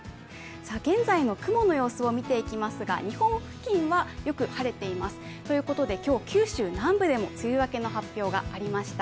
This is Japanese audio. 現在の雲の様子を見ていきますが、日本付近はよく晴れています。ということで今日、今日南部でも梅雨明けの発表がありました。